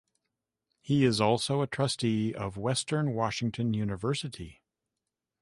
He is also a trustee of Western Washington University.